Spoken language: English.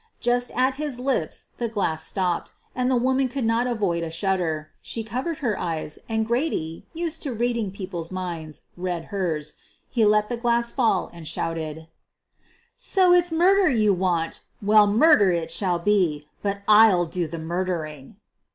Just at his lips the glass stopped and the woman could not avoid a shudder, she covered her eyes and Grady, used to reading 206 SOPHIE LYONS people's minds, read hers. He let the glass fall and shouted: "So, it's murder you want — well, murder it shall be, but I'll do the murdering."